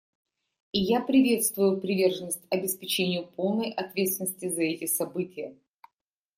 И я приветствую приверженность обеспечению полной ответственности за эти события.